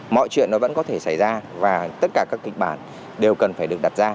mọi chuyện nó vẫn có thể xảy ra và tất cả các kịch bản đều cần phải được đặt ra